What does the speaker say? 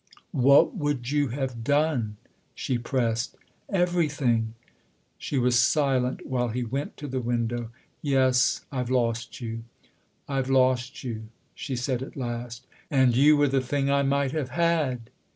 "What would you have done ?" she pressed. " Everything." She was silent while he went to the window. "Yes, I've lost you I've lost you," she said at last. "And you were the thing I might have had.